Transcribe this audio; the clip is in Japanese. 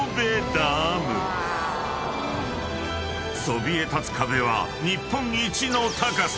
［そびえ立つ壁は日本一の高さ］